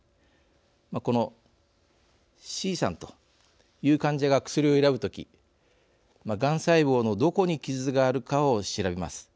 このＣさんという患者が薬を選ぶ時がん細胞のどこに傷があるかを調べます。